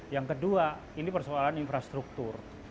yang kedua ini persoalan infrastruktur